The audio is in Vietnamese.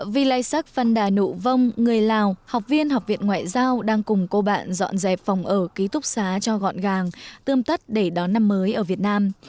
vì lai sắc văn đà nụ vông người lào học viên học viện ngoại giao đang cùng cô bạn dọn dẹp phòng ở ký túc xá cho gọn gàng tươm tắt để đón năm mới ở việt nam